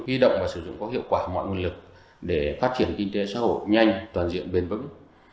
huy động và sử dụng có hiệu quả mọi nguồn lực để phát triển kinh tế xã hội nhanh toàn diện bền vững